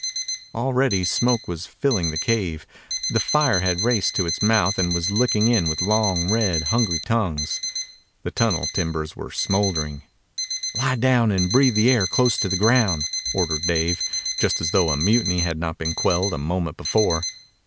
Already smoke was filling the cave. The fire had raced to its mouth and was licking in with long, red, hungry tongues. The tunnel timbers were smouldering. "Lie down and breathe the air close to the ground," ordered Dave, just as though a mutiny had not been quelled a moment before.